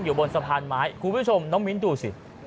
อยู่บนสะพานไม้คุณผู้ชมน้องมิ้นดูสิ